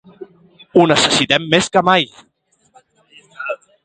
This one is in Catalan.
Ho necessitem més que mai.